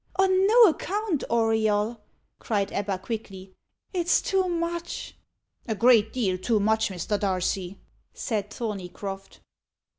"On no account, Auriol," cried Ebba quickly. "It's too much." "A great deal too much, Mr. Darcy," said Thorneycroft.